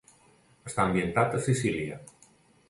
Està ambientat a Sicília.